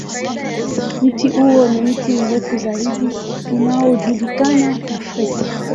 Mti huo ni mti mrefu zaidi unaojulikana Afrika.